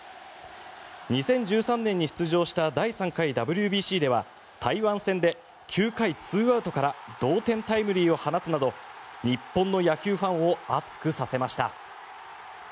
２０１３年に出場した第３回ＷＢＣでは台湾戦で９回２アウトから同点タイムリーを放つなど日本の野球ファンを熱くさせました。